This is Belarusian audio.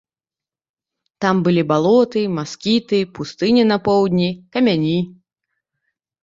Там былі балоты, маскіты, пустыня на поўдні, камяні.